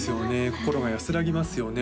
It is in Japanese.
心が安らぎますよね